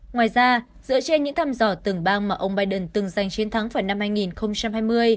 ngoài ra dựa trên những thăm dò từng bang mà ông biden từng giành chiến thắng vào năm hai nghìn hai mươi